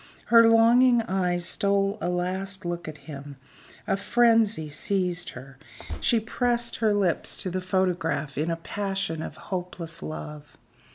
Her longing eyes stole a last look at him a frenzy seized her she pressed her lips to the photograph in a passion of hopeless love.